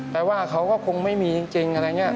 แต่ว่าเขาก็คงไม่มีจริงอะไรอย่างนี้